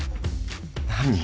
何？